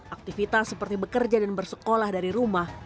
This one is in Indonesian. aktivitas seperti bekerja dan bersekolah dari rumah